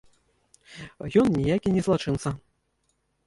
Ён ніякі не злачынца.